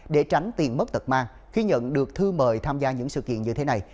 để tránh tiền mất tật mang khi nhận được thư mời tham gia những sự kiện như thế này